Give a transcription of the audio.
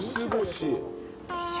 よいしょ。